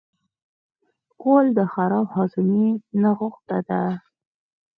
غول د خراب هاضمې نغوته ده.